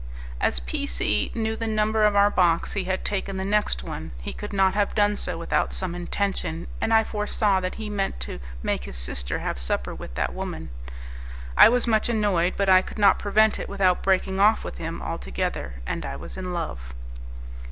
As P C knew the number of our box, he had taken the next one; he could not have done so without some intention, and I foresaw that he meant to make his sister have supper with that woman. I was much annoyed, but I could not prevent it without breaking off with him, altogether, and I was in love.